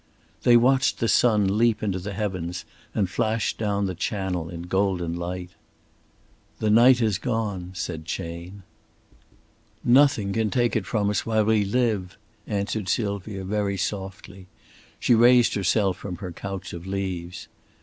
They watched the sun leap into the heavens and flash down the Channel in golden light. "The night has gone," said Chayne. "Nothing can take it from us while we live," answered Sylvia, very softly. She raised herself from her couch of leaves.